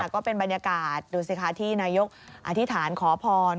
ก็เป็นบรรยากาศดูสิคะที่นายกอธิษฐานขอพร